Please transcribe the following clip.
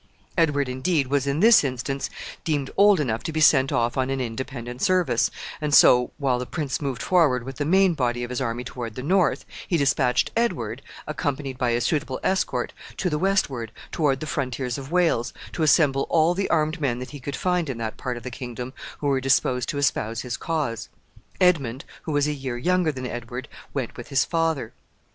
Edward, indeed, was in this instance deemed old enough to be sent off on an independent service, and so, while the prince moved forward with the main body of his army toward the north, he dispatched Edward, accompanied by a suitable escort, to the westward, toward the frontiers of Wales, to assemble all the armed men that he could find in that part of the kingdom who were disposed to espouse his cause. Edmund, who was a year younger than Edward, went with his father.